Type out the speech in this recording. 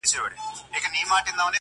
هر يو سر يې هره خوا وهل زورونه؛